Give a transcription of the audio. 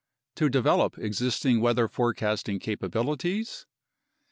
; to develop existing weather forecasting capabilities